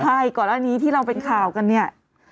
ใช่ก่อนอันนี้ที่เราเป็นข่าวกันเนี่ย